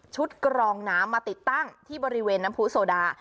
กรองน้ำมาติดตั้งที่บริเวณน้ำผู้โซดา